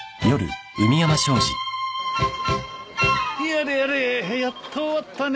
やれやれやっと終わったね。